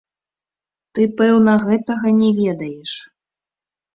Ты, пэўна, гэтага не ведаеш.